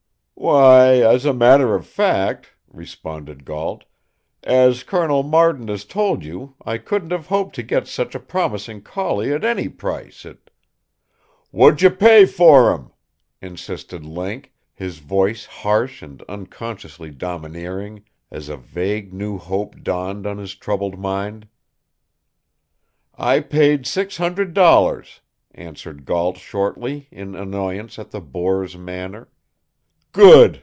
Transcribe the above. "Why, as a matter of fact," responded Gault, "as Colonel Marden has told you, I couldn't have hoped to get such a promising collie at any price it " "What d'j' you pay for him?" insisted Link, his voice harsh and unconsciously domineering as a vague new hope dawned on his troubled mind. "I paid six hundred dollars," answered Gault shortly, in annoyance at the boor's manner. "Good!"